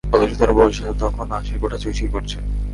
অথচ তার বয়স তখন আশির কোঠা ছুঁই ছুঁই করছে।